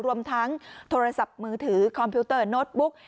รวมทั้งโทรศัพท์มือถือคอมพิวเตอร์โน้ตบุ๊ก